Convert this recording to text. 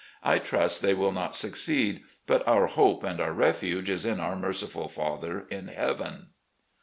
I trust they will not suc ceed; but our hope and otu: refuge is in our merciful Father in Heaven.